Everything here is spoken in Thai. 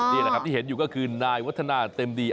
นี่แหละครับที่เห็นอยู่ก็คือนายวัฒนาเต็มดี